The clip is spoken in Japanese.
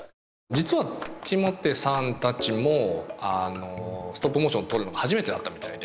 実はＴＹＭＯＴＥさんたちもストップモーション撮るの初めてだったみたいで。